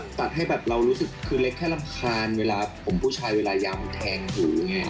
ตัดให้แบบเรารู้สึกคือเล็กแค่รำคาญเวลาผมผู้ชายเวลายำแทงหูไง